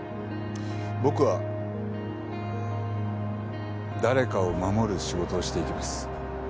僕は誰かを護る仕事をしていきます。